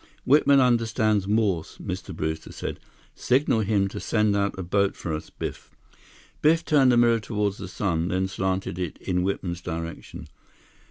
"Whitman understands Morse," Mr. Brewster said. "Signal him to send out a boat for us, Biff." Biff turned the mirror toward the sun, then slanted it in Whitman's direction.